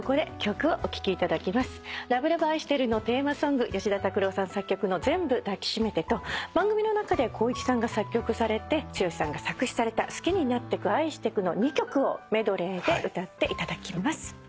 『ＬＯＶＥＬＯＶＥあいしてる』のテーマソング吉田拓郎さん作曲の『全部だきしめて』と番組の中で光一さんが作曲されて剛さんが作詞された『好きになってく愛してく』の２曲をメドレーで歌っていただきます。